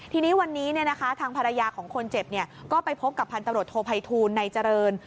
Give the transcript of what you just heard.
ทีนี้วันนี้ทางภรรยาของคนเจ็บก็ไปพบกับพันตำรวจโทภัยทูลในเจริญ